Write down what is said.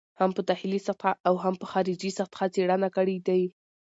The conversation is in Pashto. هم په داخلي سطحه او هم په خارجي سطحه څېړنه کړې دي.